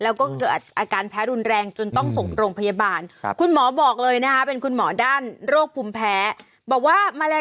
แล้วก็เกิดอาการแพ้รุนแรงจนต้องส่งโรงพยาบาล